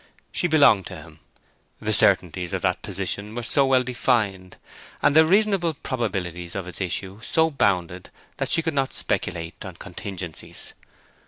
She belonged to him: the certainties of that position were so well defined, and the reasonable probabilities of its issue so bounded that she could not speculate on contingencies.